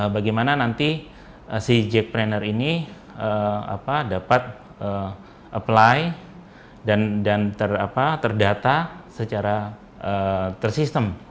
bagaimana nanti si jack planner ini dapat apply dan terdata secara tersistem